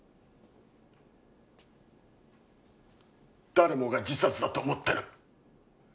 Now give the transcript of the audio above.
誰もが自殺だと思ってる。